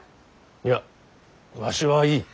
いやわしはいい。